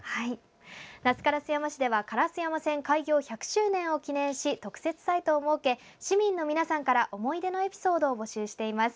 那須烏山市では烏山線開業１００周年を記念して特設サイトを設け市民の皆さんから思い出のエピソードを募集しています。